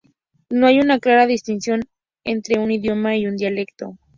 No hay una clara distinción entre un idioma y un dialecto.